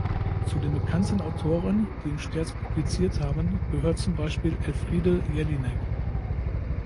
Zu den bekannten Autoren, die im Sterz publiziert haben, gehört zum Beispiel Elfriede Jelinek.